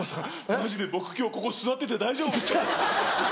マジで僕今日ここ座ってて大丈夫ですかね？